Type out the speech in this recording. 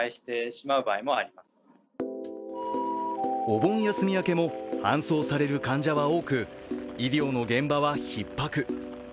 お盆休み明けも搬送される患者は多く医療の現場はひっ迫。